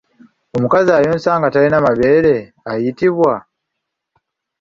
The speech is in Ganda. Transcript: Omukazi ayonsa nga talina mabeere ayitibwa?